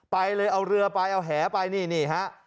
ไปเลยเอาเรือไปเอาแหไปนี่ฮะ